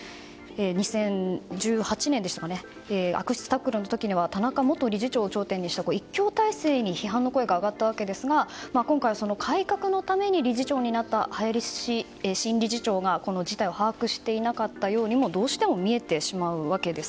２０１８年でしたか悪質タックルの時には田中元理事長を頂点とした一強体制に批判の声が上がったわけですが今回は改革のために理事長になった林新理事長が事態を把握していなかったようにもどうしても見えてしまうわけです。